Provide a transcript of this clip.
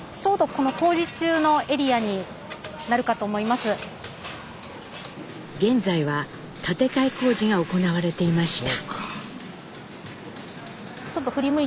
住宅政策に詳しい現在は建て替え工事が行われていました。